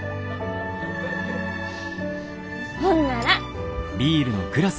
ほんなら。